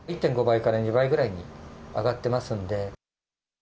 １．５倍から２倍ぐらいに上がってますんで。